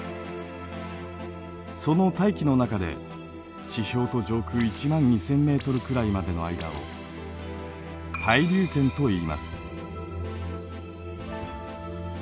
その大気の中で地表と上空１万２，０００ｍくらいまでの間を対流圏といいます。